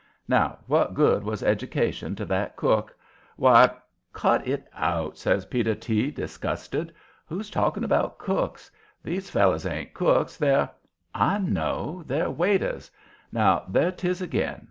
Now, what good was education to that cook? Why " "Cut it out!" says Peter T., disgusted. "Who's talking about cooks? These fellers ain't cooks they're " "I know. They're waiters. Now, there 'tis again.